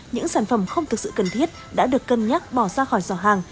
những sản phẩm không thực sự cần thiết đã được cân nhắc bỏ ra khỏi giò hàng